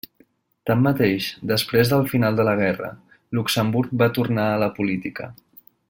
Tanmateix, després del final de la guerra, Luxemburg va tornar a la política.